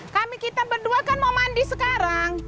kami kita berdua kan mau mandi sekarang